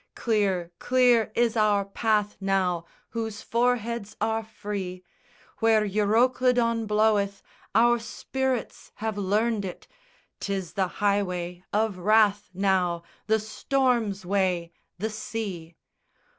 Clear, clear is our path now Whose foreheads are free, Where Euroclydon bloweth Our spirits have learned it, 'Tis the highway of wrath, now, The storm's way, the sea!